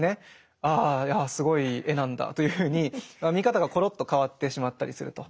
「ああすごい絵なんだ」というふうに見方がころっと変わってしまったりすると。